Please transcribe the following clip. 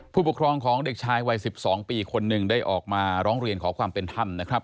ผู้ปกครองของเด็กชายวัย๑๒ปีคนหนึ่งได้ออกมาร้องเรียนขอความเป็นธรรมนะครับ